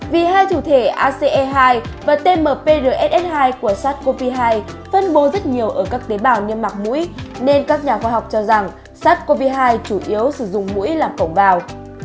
vì hai thủ thể ace hai và tmprss hai của sars cov hai phân bố rất nhiều ở các tế bào niêm mạc mũi nên các nhà khoa học cho rằng sars cov hai chủ yếu sử dụng mũi làm cổng vào